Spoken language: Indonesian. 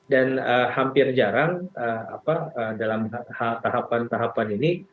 dan hampir jarang dalam tahapan tahapan ini